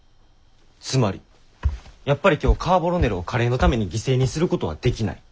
つまりやっぱり今日カーボロネロをカレーのために犠牲にすることはできない。